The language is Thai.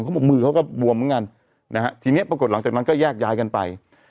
มือเขาก็บวมเหมือนกันนะฮะทีนี้ปรากฏหลังจากนั้นก็แยกย้ายกันไป